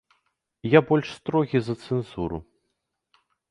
Я больш строгі за цэнзуру.